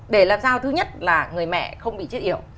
để làm sao thứ nhất là người mẹ không bị chết yếu